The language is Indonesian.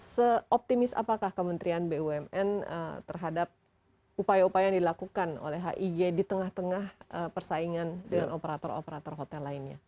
seoptimis apakah kementerian bumn terhadap upaya upaya yang dilakukan oleh hig di tengah tengah persaingan dengan operator operator hotel lainnya